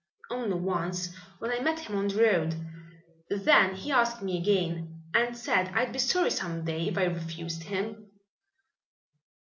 "Only once, when I met him on the road. Then he asked me again, and said I'd be sorry some day if I refused him."